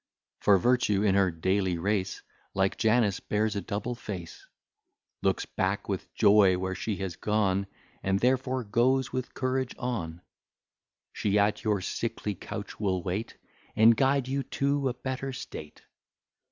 For Virtue, in her daily race, Like Janus, bears a double face; Looks back with joy where she has gone And therefore goes with courage on: She at your sickly couch will wait, And guide you to a better state.